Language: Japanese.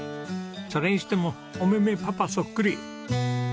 それにしてもお目々パパそっくり。